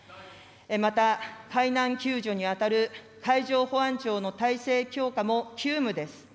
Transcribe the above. また、海難救助に当たる海上保安庁の体制強化も急務です。